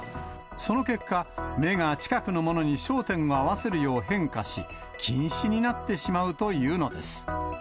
その結果、目が近くのものに焦点を合わせるよう変化し、近視になってしまうというのです。